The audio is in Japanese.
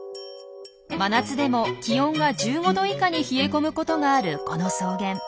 真夏でも気温が１５度以下に冷え込むことがあるこの草原。